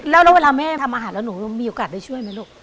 แล้วเวลาแม่ทำอาหารแล้วหนูมีโอกาสได้ช่วยไหมลูก